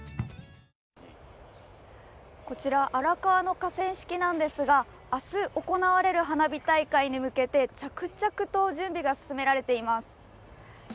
こちら荒川の河川敷なんですが明日行われる花火大会に向けて、着々と準備が進められています。